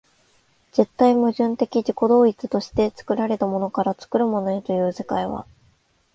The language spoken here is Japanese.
絶対矛盾的自己同一として作られたものから作るものへという世界は、